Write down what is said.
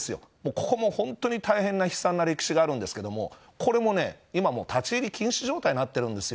ここも本当に悲惨な歴史があるんですけどこれも今、立ち入り禁止状態になっているんです。